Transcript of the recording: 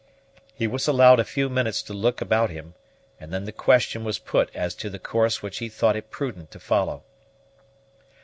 He was allowed a few minutes to look about him, and then the question was put as to the course which he thought it prudent to follow.